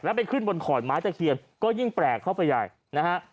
แล้วไปขึ้นบนขอนไม้ตะเคียนก็ยิ่งแปลกเข้าไปใหญ่นะฮะ